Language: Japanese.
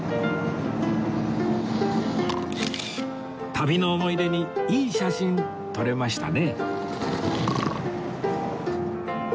旅の思い出にいい写真撮れましたね